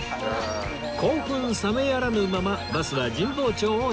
興奮冷めやらぬままバスは神保町を出発